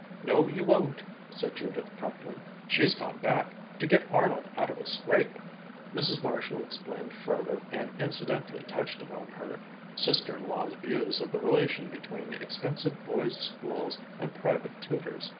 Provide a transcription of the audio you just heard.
"No, you won't," said Judith promptly. "She's gone back. To get Arnold out of a scrape." Mrs. Marshall explained further, and incidentally touched upon her sister in law's views of the relation between expensive boys' schools and private tutors.